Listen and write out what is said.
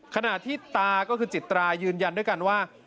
ขณะที่ตาก็คือจิตรายืนยันด้วยกันว่า